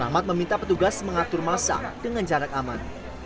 rahmat meminta petugas mengatur masa dengan jarak aman